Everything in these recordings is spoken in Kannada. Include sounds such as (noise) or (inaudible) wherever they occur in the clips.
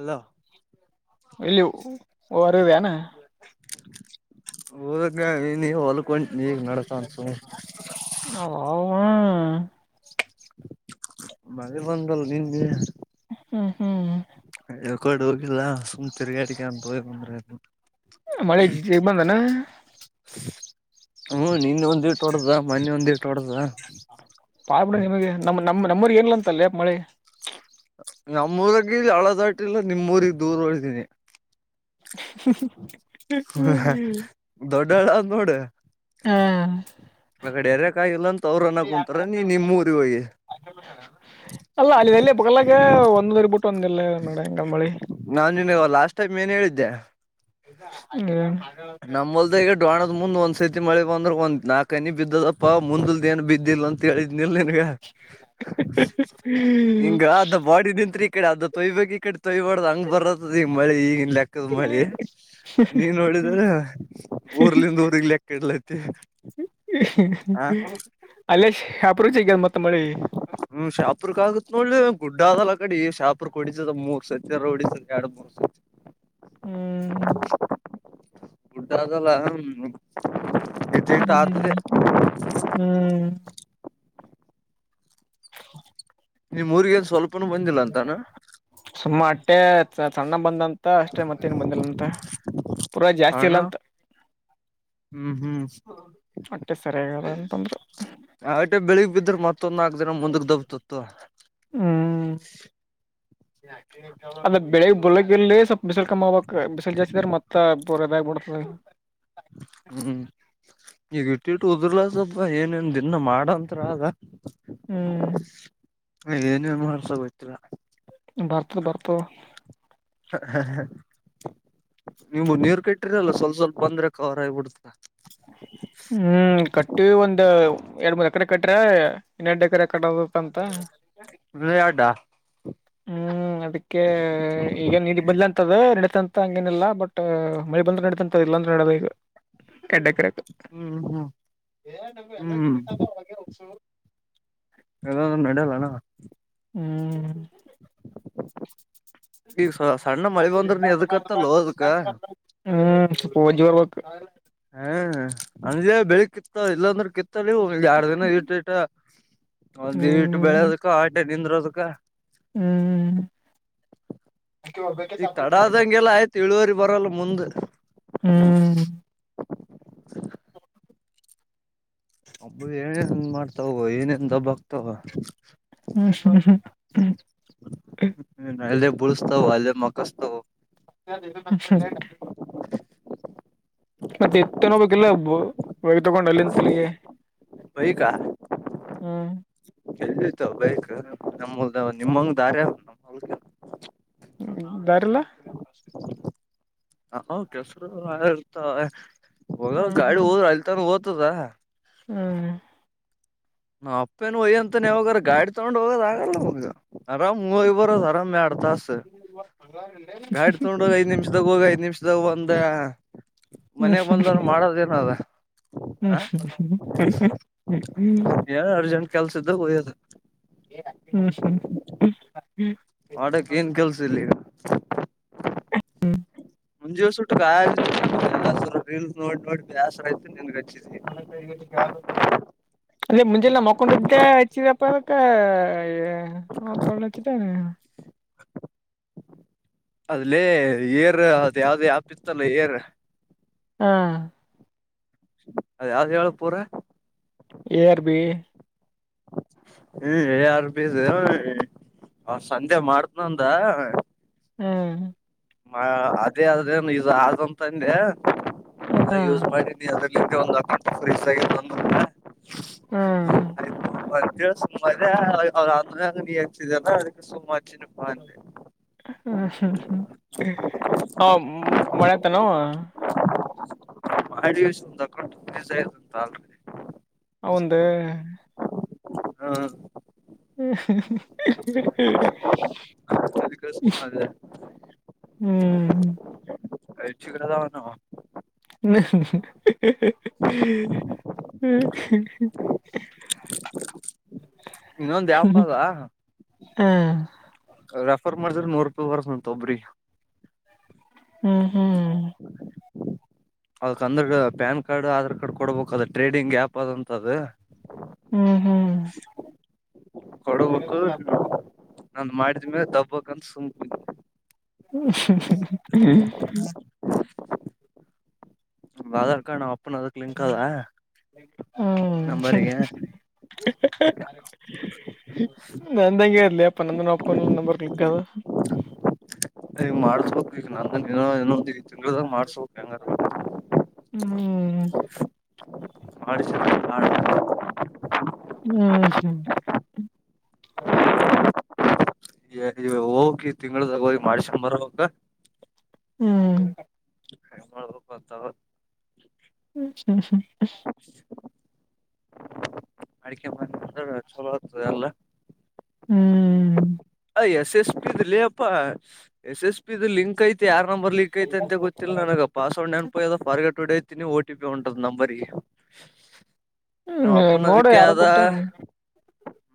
ಅಲ್ಲೋ ಇಲ್ಲಿ ಅದಾನ (unintelligible) ಹೋದಂಗಾಗದನಿನ್ನಿ ಹೊಲ್ಕೊಂಟಿನಿ ಈಗ್ ನಡ್ಕಾಂತ ಸುಮ್ಮ. ಓವವಾಆ (unintelligible) ಮಳಿ ಬಂದಾದಲ್ಲಾನಿನ್ನೆ. ಹ ಹ್ಮ್, ಹ್ಮ್ ಎಕಡಿಹೋಗಿಲ್ಲ ಸುಮ್ ತಿರುಗಾಡಿಕಾಂತ ಹೋಗ್ ಬಂದ್ರೆ ಆಯ್ತಂತ. ಆ (unintelligible) ಮಳಿ ಜಗ್ ಬಂದಾ ದೇನಾ? ಹ್ಮ್, ನಿನ್ನೆ ಒಂದ್ ಇಟ್ಟು ಹೊಡದ ಮೊನ್ನಿ ಒಂದ್ ಇಟ್ ಪಾಡ ಬಿಡ ನಿಮಗೆ ನಮ್ಮ ನಮ್ಮ್ ನಮ್ಮೂರಿಗೆ ಇಲ್ ಅಂತಲ್ಲೇ ಮಳಿ. ನಮ್ಮೂರಗ್ ಇಲ್ಲಿ ಹಳ್ಳದಾಟಿಲ್ಲ ನಿಮ್ ಊರಿಗ್ ದೂರ ಹೋಯ್ದೀನಿ. ಹ (unintelligible) ಹು ಹು (unintelligible) ಹ ದೊಡ್ಡಳ್ಳ ಆದ್ ನೋಡು ಹಾ ಆ ಕಡೆ ಎರೆಕಾಗಿಲ್ಲಂತ ಅವ್ರನ್ನ ಕುಂತಾರ ನೀ ನಿಮ್ಮೂರಿಗೆ ಹೋಗಿ. ಅಲ್ಲ ಅಲ್ಲಿ ಎಲ್ಲಿ ಬಗಲಾಗೆ ಒಂದ್ ಊರಿಗಿಬಿಟ್ಟು ಒಂದಿಲ್ ನೋಡೆಂಗಾದಮಳಿ. ನಾನ್ ನಿನ್ಗ ಆವಾಗ ಲಾಸ್ಟ್ ಟೈಮ್ ಏನ್ ಹೇಳಿದ್ದೆ? (unintelligible) ನಮ್ಮೊಲ್ದಾಗ್ ಎರಡ್ (unintelligible) ಜೋಳದ್ ಮುಂದ್ ಒಂದ್ ಸತಿ ಮಳೆ ಬಂದ್ರೆ ಒಂದ ನಾಲ್ಕನಿ ಬಿದ್ದದಪ್ಪಾ ಮುಂದಿಲ್ದ ಏನ್ ಬಿದ್ದಿಲ್ಲ ಅಂತ ಹೇಳಿದ್ನಿಲ್ ನಿನ್ಗ. ಹಿಂಗ ಅರ್ಧ ಬಾಡಿ ನಿಂತ್ರೆ ಈ ಕಡೆ ಅರ್ಧ ತೊಯ್ ಬೇಕ್ ಈ ಕಡೆ ತೋಯ್ಬಾಡ್ದ್ ಹಂಗ ಬರತ್ತದ ಈಗ ಮಳಿ ಈಗಿನ್ ಲೆಕ್ಕದ್ ಮಳಿ, ನೀನ್ ನೋಡ (unintelligible) ಊರ್ಲಿಂದ ಊರಿಗ್ ಲೆಕ್ ಇಡಲತಿ. (unintelligible) ಅಲ್ಲೇ ಶಹಾಪುರದಗಜಗ್ಗಾದ ಮತ್ ಮಳಿ. ಹ್ಮ್ ಶಾಪುರಕ್ ಆಗತ್ ನೋಡ್ಲೆ ಗುಡ್ಡ ಅದಲ್ಲ ಆ ಕಡಿ ಶಾಪುರಕ್ ಹೊಡಿತದ ಮೂರ್ ಸತ್ಯಾರು ಒಡಿತದ ಎರಡ್ ಮೂರ್ ಸ (unintelligible) ಹ್ಮ್, ಗುಡ್ಡಾದಲ್ಲಾ ಹ್ಮ್, ಹ್ಮ್ ನಿಮ್ ಊರಿಗೇನ್ ಸ್ವಲ್ಪ್ ಸುಮ್ಮ ಅಟ್ಟೆ ಸಣ್ಣ ಬಂದಂತ ಮತ್ತ ಅಷ್ಟೇ ಮತ್ತೇನ್ ಬಂದಿಲ್ಲ ಅಂತ, ಪೂರಾ ಜಾಸ್ತಿ ಇಲ್ಲ ಸಣ್ಣ ಅಂತ. ಹ್ಮ್, ಹ್ಮ್ ಅಟ್ಟೆ ಸರ್ಯಾಗಾದ್ ಅಂತಂದರು. ಆಟೆ ಬೆಳಿಗ್ ಬಿದ್ರೆ ಮತ್ತೊಂದ್ ನಾಲ್ಕ್ ದಿನ ಮುಂದಕ್ ದೊಬ್ತಿತ್ತು. ಹ್ಮ್, ಅಲ್ಲ ಬೆಳಿಗ್ ಬರ್ಕಲ್ಲ (unintelligible) ಸ್ವಲ್ಪ್ ಬಿಸಿಲ್ ಕಮ್ಮಿ ಆಗಬೇಕ್ ಬಿಸಿಲ್ ಜಾಸ್ತಿ ಆದ್ರ ಮತ್ತೆ ಪೂರ್ ಇದಾಗಿ ಬುಡ್ತದ ಹ್ಮ್, ಈಗ ಇಟ್ಟು -ಇಟ್ಟು ಉದರ್ಲ ಸ್ವಲ್ಪ ಏನೇನ್ ದಿನ್ನಾಮಾಡಂತ್ರ ಆದ. - ಹ್ಮ್ ಏನೇನ್ ಮಾಡ್ಸದ್ ಗೊತ್ತಿಲ್ಲಾ. ಬರ್ತಬರ್ತದ. (unintelligible) ನಿಮ್ಮವು ನೀರು ಕೆಟ್ಟಿರಲ್ಲ ಸ್ವಲ್ಪ ಸ್ವಲ್ಪ ಬಂದ್ರೆ ಕವರ ಆಗಬಿಡ್ತದ. ಹ್ಮ್, ಕಟ್ಟ ಕಟ್ಟಿವಿ ಒಂದ ಎರಡ್ -ಮೂರ ಎಕರೆ ಕಟ್ರಾ ಇನ್ನಾಎಂಟ ಎಕರೆಕಟ್ಟಬೇಕಂತ. ವಿಡ್ಡ (unintelligible) ಹ್ಮ್, ಅದಿಕ್ಕೆ ಈಗ ನೀ (unintelligible) ಬದ್ಲಂತದ ನಡತ ಹಂಗೇನಿಲ್ಲಾ ಬಟ್ ಮಳಿ ಬಂದ್ರ ನಡ ತಂತ ಅದು ಇಲ್ಲಂದ್ರ ನಡಿಯಲ್ಲಾ ಅದು. ಯಾಡ್ ಎಕ್ರೆಕ್ ಹ್ಮ್ ಹ್ಮ್ ಹ್ಮ್ (inaudible) ಇರಲ್ಲ ಅಂದ್ರ ನಡೆಯಲ್ಲನ ಹ್ಮ್. ಈಗ ಸ ಸಣ್ಣ ಮಳೆ ಬಂದ್ರ ನೀ ಎದಕ ಹತ್ತಲ್ಲೋ ಅದಕ್ಕ ಹ್ಮ್ ಪೂಜೆ ಆಗ್ಬೇಕ. ಹ್ಮ ಅಂಜೇ ಬೆಳಿ ಕಿತ್ತ ಇಲ್ಲಾಂದ್ರ ಕಿತ್ತ ಯಾಡ್ ದಿನ ಇಟ್ಟ ಇಟ್ಟ ಒಂದು ಇಟ್ಟು ಹ್ಮ್ ಬೆಳೋದಕ ಅಡ್ಡೆ ನಿಂದರೋದಕ ಹ್ಮ್. ಈಗ ಕಡ ಆದಂಗೆಲ್ಲ ಆಯ್ತು ಇಳುವರಿ ಬರಲ್ಲ ಮುಂದ್ ಹ್ಮ್. ಒಬ್ಬ ಏನೇನ್ ಮಾಡ್ತಾವ ಏನೇನ್ ದಬ್ಬ ಆಗ್ತಾವ. ಹ್ಮ್ ಹಾ ಅಲ್ಲೇ ಬಳಸ್ತಾವ ಅಲ್ಲೇ ಮಕ್ಕೋಸ್ತಾವ್ (unintelligible) ಮತ್ತೆ ಎತ್ತಿನೋಬೇಕಲ್ಲ ಒಗ್ ತಗೊಂಡು ಅಲ್ಲಿ ತಲ್ಲಿಗೆ ಹ್ಮ್. ಇಲ್ಲಿ ಆಯ್ತಿ ಅದ ಬೈಕ್ ನಮ್ಮ ಹೊಲದಾಗ ನಿಮ್ಮಂಗ ದಾರಿ ಅದ? (inaudible) ಹ್ಮ್ ದಾರಿಲ್ಲ. (inaudible) ಹ್ಮ್ ಗಾಡಿ ಹೋದ್ರ ಅಲ್ಲಿ ತನ್ ಹೋತದ ಹ್ಮ್. ನಮ್ಮ ಅಪ್ಪೇನು ಒಯ್ಯೆ ಅಂತಾನೇ ಯಾವಾಗರ ಗಾಡಿ ತಗೊಂಡ್ ಹೋಗೋದ ಆಗಲ್ಲ ನನಗ ಅರಾಮ್ ಮೂವಿ ಹೋಗಿ ಬರೋದು ಅರಾಮ್ ಯಾಡ್ ತಾಸ ಗಾಡಿ ತಗೊಂಡ್ ಹೋಗಿ ಐದ್ (inaudible) ನಿಮಿಷದಾಗ ಹೋಗಿ ಐದ ನಿಮಿಷದಾಗ ಒಂದ ಮನೆ ಬಂದವರು ಮಾಡೋದೇನದ ಹ್ಮ್ ಹ್ಮ್ ಹಾ ಹ್ಮ್ ಹ್ಮ್ ಏನ್ ಅರ್ಜೆಂಟ್ ಕೆಲ್ಸದ್ದು ಹೂಯ್ಯೋದು. ಹೂ ಹ್ಮ್. ಮಾಡಕ್ ಏನ್ ಕೆಲ್ಸ ಇಲ್ಲಿ? ಮುಂಜೆಲೇ ಸುಟ್ಟಕ ಆಗಲ್ಲ ರೀಲ್ಸ್ ನೋಡಿ ನೋಡಿ ಬ್ಯಾಸರ ಆಯ್ತು ನಿನಗ ಹಚ್ಚಿದನೀ (inaudible) ಅದೇ ಮುಂಜಾಳೆ ಮಕ್ಕೊಂಡಿದ್ದೇ ಹಚ್ಚಿದಪ್ಪ ಅದಕ್ಕ ತಗೊಂಡ ಹಚ್ಚಿದ್ದನೆ. (inaudible) ಅಲ್ಲಿ ಏರ್ ಅದ್ ಯಾವ್ದೇ ಆ್ಯಪ್ ಇತ್ತಲ್ಲ ಏರ್ ಹಾ ಅದ ಯಾವ್ದು ಹೇಳ ಪೂರ A R B. A R ಬೀಸ್ ಸಂಧೆ ಮಾಡತ್ನಂದ. ಹ್ಮ್. ಅದೇ ಆದರದ ಏನ್ ಆದಂತಂದೆ ಹ್ಮ್ ಯೂಸ್ ಮಾಡಿನೀ. (inaudible) ಹ್ಮ್. ಕೇಳಿ ಸುಮ್ಮ ಆದೆ ಅದರಾಗ ನೀ ಹಚ್ಚಿದಲ್ಲ ಅದಕ್ಕೆ ಸುಮ್ಮ ಹಚ್ಚಿನಿ. ಹ ಅವ. (unintelligible) ಆಡಿಯೋಸ್ ದಿ ಅಕೌಂಟ್ ಫ್ರೀಜ್ ಆಗೆತ್ ಅಂತ. ಅವಂದ. ಹ್ಮ್. ಅದಕ್ಕೆ ಸುಮ್ಮನಾದೆ (inaudible) (unintelligible) (inaudible) (inaudible) ಇನ್ನೊಂದ ಆಪ್ ಆದ. ಹ್ಮ. ರೆಫರ್ ಮಾಡಿದ್ರೆ ನೂರ್ ರೂಪಾಯಿ ಬರ್ತತದ ಅಂತ ಒಬ್ಬರಿಗಿ. ಹ್ಮ್ ಹ್ಮ್. ಆ (unintelligible) ಪ್ಯಾನ್ ಕಾರ್ಡ್, ಆಧಾರ್ ಕಾರ್ಡ್ ಕೊಡ್ಬೇಕ ಅದ ಟ್ರೇಡಿಂಗ್ ಆ್ಯಪ್ ಆದಂತ ಅದ. ಕೊಡುಬೇಕ. ನಂದ ಮಾಡಿದ್ಮೇಲ ದಬ್ಬಕಂತ ಸುಮ್. (inaudible) ಆಧಾರ್ ಕಾರ್ಡ್ ನಮ್ಮ ಹ್ಮ್. ನಂಬರಿಗೆ ಇದಕ್ ನಂದ ಹಂಗೆ ಆದ್ಲೆ ಯಪ್ಪ ನಂದನ್ ನಮ್ಮ ಅಪ್ಪಂದ್ಕ ನಂಬರ್ ಲಿಂಕ್ ಆದ. ಈಗ ಮಾಡ್ಸ್ಬೇಕ ಈಗ (unintelligible) ಇನೊಂದ ತಿಂಗಳ್ದಗ ಮಾಡ್ಸ್ಬೇಕ ಹೆಂಗಾನ ಮಾಡಿ. ಹ್ಮ್. ಮಾಡ್ಸಿ (unintelligible) ಹ್ಮ್ ಹ್ಮ್. ಎ ಇವ್ಗ ಹೋಗಿ ಈ ತಿಂಗಳ್ದಗ ಹೋಗಿ ಮಾಡಿಸ್ಯಕ್ ಬರ್ಬೇಕ. ಹ್ಮ್. (unintelligible) (inaudible) ಮಾಡಿಕ್ಯೆಡಬಂದುರ ಚೋಲ ಆಯ್ತದ ಎಲ್ಲಾ. ಹ್ಮ್. ಎಸ್ ಎಸ್ ಪಿದ್ ಲೇ ಪಾ. ಎಸ್ ಎಸ್ ಪಿ ಲಿಂಕ್ ಐತಿ ಯಾರ್ ನಂಬರ್ ಲಿಂಕ್ ಐ ಐತಿ ಅಂತೆ ಗೊತ್ತಿಲ್ಲ ಹ್ಮ್ ನನಗ ಪಾಸ್ವರ್ಡ್ ನೆನ್ಪ ಹೋಗ್ಯದ ಪಾರ್ ಗೇಟ್ ಓಡ್ಯಾತಿನಿ ಓ ಟಿ ಪಿ ಹೊಂಟದ ನನ್ನ ನಂಬರ್ಗಿ. ನಮ್ಮ ಅಪ್ಪನ ನೋಡು ಅದಕ್ಕೆ ಯಾರು ಆದ. ಕೊಟ್ಟೆ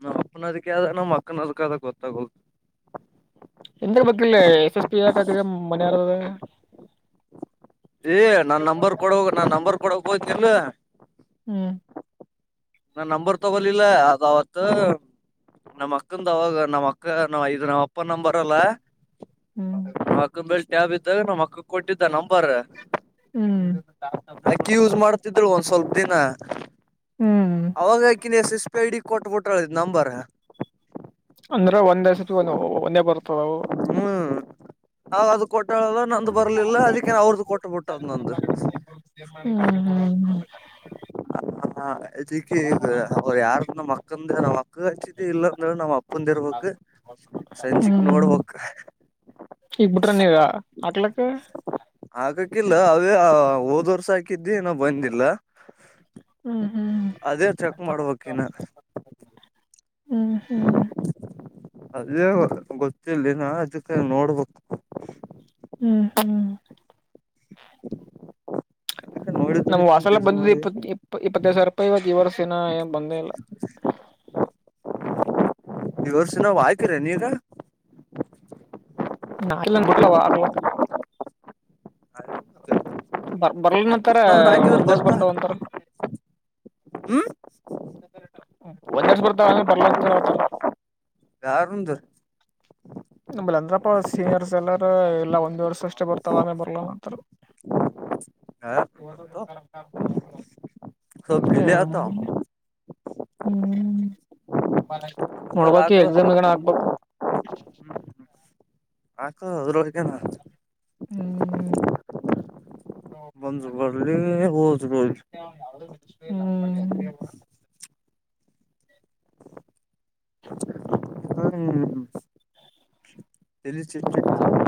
ನಮ್ಮ ಅಪ್ಪನ್ ಅದ್ದಕೆ ಆದ ನಮ್ಮ ಅಕ್ಕನ ಅದಕ್ಕ ಆದ ಗೊತ್ತಾಗವ ನಿಂದೆ ಬೇಕಿಲ್ಲ ಲೇ ಎಸ್ ಎಸ್ ಪಿ (unintelligible) ಏ ನನ್ನ ನಂಬರ್ ಕೊಡು ಹೋಗ್ ನನ್ನ ನಂಬರ್ ಕೊಡಕ್ಕ ಹೊತ್ನಿಲ್ಲ. ಹ್ಮ್. ನನ್ನ ನಂಬರ್ ತಗೊಲಿಲ್ಲ ಅದ ಅವತ್ತ. ನಮ್ಮ ಅಕ್ಕಂದ ಅವಾಗ ನಮ್ಮ ಅಕ್ಕ ನಾ ಇದು ನಮ್ಮಪ್ಪನ್ ನಂಬರ್ ಅಲ್ಲ. ಹ್ಮ್. ನಮ್ಮ ಅಕ್ಕನ್ ಬಲ್ಲಿ ಟ್ಯಾಬ್ ಇತ್ತ ನಮ್ಮಕ್ಕಗ್ ಕೊಟ್ಟಿದ್ದ ನಂಬರ್. ಹ್ಮ್. ಇರರ್ತಿದ್ರು. ಒಂದ್ ಸ್ವಲ್ಪ ದಿನ. (inaudible) ಅವಾಗ ಆಕೀನ್ S S P I D ಕೊಟ್ಟ ಬಿಟ್ಟಳ ಇದ್ ನಂಬರ್. ಅಂದ್ರ ಒಂದ ಆಸತಿ ಒಂದ್ ಒಂದೇ ಬರ್ತಾದ್ ಅವು. ಹ್ಮ್ ಅವ್ ಅದ ಕೊಟ್ಟಳಲ್ಲ. ನಂದು ಬರ್ಲಿಲ್ಲ ಅದಕ್ಕೇ ಅವ್ರ್ದ ಕೊಟ್ಟಬಿಟ್ಟದ ನಂದ. ಹ್ಮ್ ಹ್ಮ್ ಹ್ಮ ಹಾ ಅದಿಕ್ಕೆ ಇದು ಅವ ಯಾರದು ನಮಕ್ಕಂದೂ ನಮ್ಮ ಅಪ್ಪ ಅಕ್ಕಗ ಹಚ್ಚಿದ್ದೆ ಇಲ್ಲ ಅಂದುಳು ನಮ್ಮಪ್ಪಂದು ಇರ್ಬಕು. ಸಂಜೆಕಿ ನೋಡ್ಬಕು. ಈಗ್ ಬಿಟ್ರ ನೀವಾ ಹಾಕ್ಲಕ್ಕ. ಆಕಕ್ಕಿಲ್ಲಾ ಅವೇ ಹಾ ಓದ್ ವರ್ಷ ಹಾಕಿದ್ದೇ ಇನ ಬಂದಿಲ್ಲ. ಹ್ಮ್ ಹ್ಮ್ ಅದೇ ಚೆಕ್ ಮಾಡ್ಬಕ್ ಇನ್ನ. ಹ್ಮ್ ಹ್ಮ್ ಅದೇ ಗೊತ್ತಿಲ್ಲಿನಾ ಅದಕ್ಕಾಗಿ ನೋಡ್ಬಕು. ಹ್ಮ್ ಹ್ಮ್ ನೋಡಿದ್ ನಮ್ಮುವ್ ಆ ಬೆಳಿತಂತ ಸಲ ಇದ್ ಬಂದದ್ದೇ ಮಾಡಿ ಇಪ್ಪತ್ ಇಪ್ ಇಪ್ಪ ಇಪ್ಪತ್ತೈದು ಸಾವಿರೂಪಾಯಿ ಇವ ಇವರ್ಸೇನ ಏನ್ ಬಂದೆ ಇಲ್ಲ. (inaudible) ಈ ವರ್ಸ್ ಇಲ್ಲ ಅವು ಹಾಕಿರೆನು ಈಗ. ಆಗ್ಲನ್ ಬುಟ್ಲವ ಆಗಲಕ್ಕ. ಬರ್ ಬರ್ಲನಂತಾರ ನ ಹಾಕಿದ್ರ ಒಂದೇಸ ಬರ್ತಾವ ಅಂತಾರ. ಹ್ಮ ಒಂದೇಸ್ ಬರ್ತಾವಂದ್ರ ಬರ್ಲ ಅಂತ ಹೇಳ ಅತ್ತಾರ. ಯಾರಂದು. ನಂಬಲ್ಲಿ ಅಂದ್ರಪ್ಪ ಸೀನಿಯರ್ಸ್ ಎಲ್ಲಾರೂ ಇಲ್ಲಾ ಒಂದೇ ವರ್ಷ. ಅಷ್ಟ ಬರ್ತಾವ ಆಮೇಗ್ ಬರ್ಲ ಅವು ಅಂತರ. ಸ್ವಲ್ಪ ಹ್ಮ ಡಿಲೇ ಆತಾವ ಹ್ಮ್ ಹಾಕದ ನೋಡ್ಬಕ್ ಈಗ್ ಹಾಕದ ಎಕ್ಸಾಮ್ ಆಕ್ಬಕು. ಆಕು ಅದರೊರಗೇನಾದ. ಹ್ಮೂ ಬಂದ್ರು ಬರ್ಲಿ ಹೋದ್ರು ಹೋಗ್ಲಿ. ಹ್ಮೂ (unintelligible) (unintelligible) ತೆಲಿ ಚಿಟ್ ಹಿಡಿತೆದ.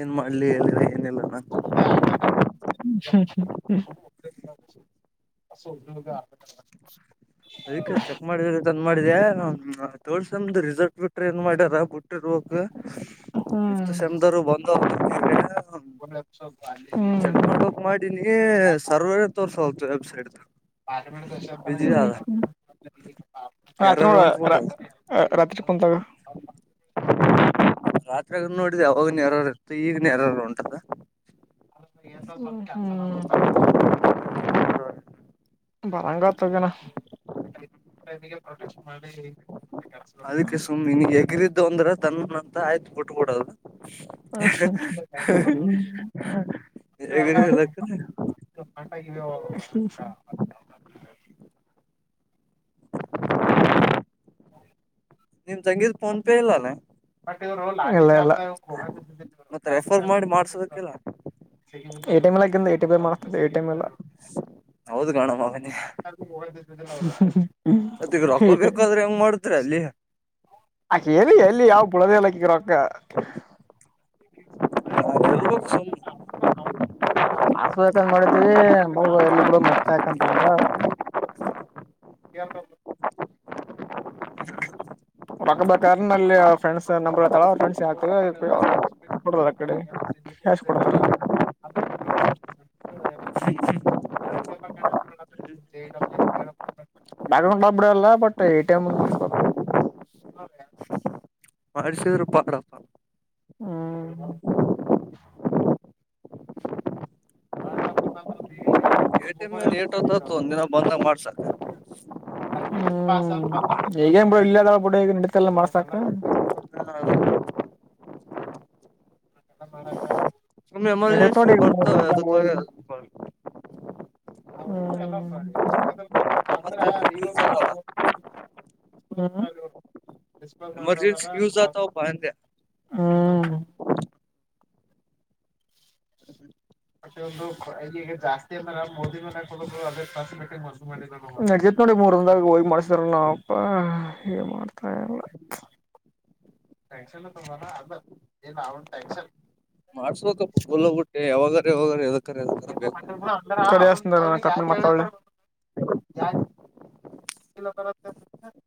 ಏನ್ ಮಾಡ್ಲಿ (unintelligible) ಏನಿಲ್ಲ ನ ಹ್ಮ ಹ್ಮ ಹ್ಮ ಹ್ಮ (unintelligible) ಅದಕ್ಕೆ ಚೆಕ್ ಮಾಡಿದ್ರಾಯಿತಂತ್ ಮಾಡಿದೆ ಥರ್ಡ್ ಸೆಮ್ದ್ ರಿಸರ್ಟ್ ಬಿಟ್ಟ ಟ್ರೇನ್ ಮಾಡ್ಯಾರ ಬುಟ್ಟಿರ್ಬಕು ಹ್ಮ್ ಫಿಫ್ತು ಸೆಮ್ದರುವು ಬಂದವ ಹ್ಮು ಕ್ ಮಾಡಿನೀ ಸರ್ವರೇ ತೋರ್ಸವಲ್ತು ವೆಬ್ಸೈಟ್ದು. (unintelligible) ಎರರ್ ಹೊಂಟ್ಬಿಟ್ಟದ ರಾತ್ರಿ ಕುಂತಾಗ. ರಾತ್ರೆಗನು ನೋಡಿದೆ ಅವಾಗನು ಎರಾರ್ ಇತ್ತು ಈಗುನು ಎರಾರ್ ಒಂಟದ. ಹ್ಮ ಹ್ಮೂ ಬರಂಗಾವ ತಗಣ. ಅದಕ್ಕೆ ಸುಮ್ಮ್ನಿನ್ಗ್ ಹೆಗರಿದ್ದುವಂದ್ರ ದನ್ನಂತ ಆಯ್ತು ಬುಟ್ಟಬುಡದು. (unintelligible) ಹ್ಮ ಹ್ಮ ಹ್ಮ (unintelligible) ನಿಮ್ ತಂಗಿದ್ ಫೋನ್ ಪೇ ಇಲ್ಲ ಅಲ್ಲ. ಬಟ್ ಇವರ ಲಾಯರ..... ಇಲ್ಲಾ ಇಲ್ಲಾ. ಮತ್ತ ರೆಫರ್ ಮಾಡಿ ಮಾಡ್ಸಬೇಕಿಲ್ಲ. ಎಟಿಂಲ್ಲ ಎಟಿಂ ಮಾಡ್ತದೆ ಎಟಿಎಂ ಇಲ್ಲ. ಹೌದ್ ಗಣ ಮಗನಿ ಮತ್ತ ಈಗ ರೊಗ ಬೇಕಾದ್ರೆ ಹೆಂಗ್ ಮಾಡ. ಅ್ರಲ್ಲಿ ಅಕ ಎಲ್ಲಿ ಎಲ್ಲಿ ಯಾವ ಬುಳದಲ್ಲಾಕಗ್ರಕ್ಕ. ಬ (unintelligible) (inaudible) (inaudible) (inaudible) (inaudible) ಕ್ಯೆಶ್ ಕೊಡ್ತಾರ. (inaudible) (inaudible) ಬೆಂಗಳೂರ್ ಬಂದು ಬಿಡ ಅಲ್ಲ ಬಟ್ ಎ. ಟಿ. ಎಮ್ಂದ್ದ್ ಮಾಡಸ್ಬೇಕ್ (inaudible) ಮಾಡಿಸದರ್ ಪಾಡಲ್ಲ. ಹ್ಮ (inaudible) ಎಟಿ. ಎಮ್. ಎಟ್ತೋತ್ ಒಂದಿನ ಬಂದ್ರ್ ಮಾಡ್ಸಕ್. ಹ್ಮ್....... ಈಗೇನು ಬಿಡ ಇಲ್ಲೇ ಇದಾಳ ನಡತಿತೆಲ್ಲ ಮಾಡಾಸಾಕ್. ಸುಮ್ಮ್ ಎಮರ್ಜೆನ್ಸಿ ಬರ್ತಾವ (inaudible) (inaudible) (inaudible) ಎಮರ್ಜೆನ್ಸಿ ಯೂಸ್ ಆಗಲ್ಲ (inaudible) ಎಮರ್ಜೆನ್ಸಿಕಿ ಯೂಸ್ ಆಗತವಪ್ಪ ಅಂದೆ. ಹೂ ಮ್ (unintelligible) (unintelligible) (inaudible) ಮಾಡ್ಸ್ಬೇಕಪ್ಪ ಗುಲ್ ಬಿಟ್ಟೆ ಯಾವಾಗಾರ್ ಯಾವಾಗಾರ್...... (inaudible) (inaudible)